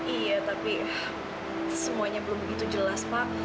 iya tapi semuanya belum begitu jelas pak